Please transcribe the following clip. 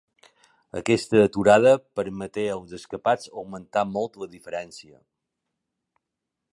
Aquesta aturada permeté als escapats augmentar molt la diferència.